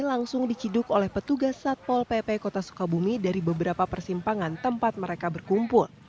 langsung diciduk oleh petugas satpol pp kota sukabumi dari beberapa persimpangan tempat mereka berkumpul